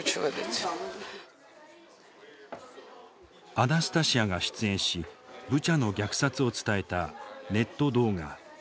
アナスタシヤが出演しブチャの虐殺を伝えたネット動画。